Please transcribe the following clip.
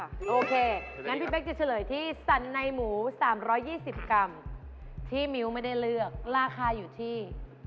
โอเคงั้นพี่เป๊กจะเฉลยที่สันในหมู๓๒๐กรัมที่มิ้วไม่ได้เลือกราคาอยู่ที่